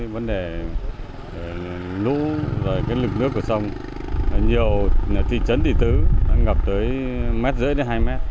vấn đề lũ rồi cái lực nước của sông nhiều thị trấn thị tứ đã ngập tới mét rưỡi đến hai mét